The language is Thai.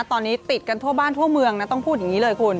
ตอนนี้ติดกันทั่วบ้านทั่วเมืองนะต้องพูดอย่างนี้เลยคุณ